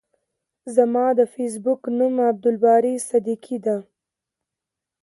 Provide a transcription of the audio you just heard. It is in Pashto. زما د فیسبوک نوم عبدالباری صدیقی ده.